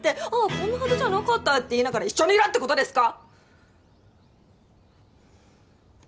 こんなはずじゃなかったって言いながら一緒にいろって事ですか！？